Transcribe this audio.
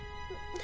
何？